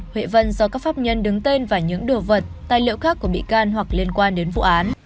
huệ vân do các pháp nhân đứng tên và những đồ vật tài liệu khác của bị can hoặc liên quan đến vụ án